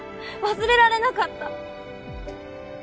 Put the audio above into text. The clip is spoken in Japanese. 忘れられなかった。